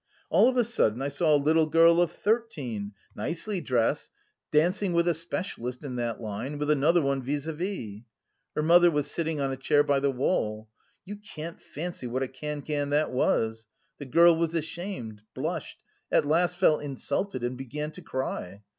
All of a sudden I saw a little girl of thirteen, nicely dressed, dancing with a specialist in that line, with another one vis à vis. Her mother was sitting on a chair by the wall. You can't fancy what a cancan that was! The girl was ashamed, blushed, at last felt insulted, and began to cry.